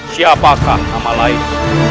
siapakah nama lain